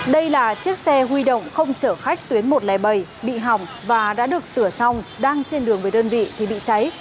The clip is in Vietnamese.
đây là chiếc xe huy động không chở khách tuyến một trăm linh bảy bị hỏng và đã được sửa xong đang trên đường về đơn vị thì bị cháy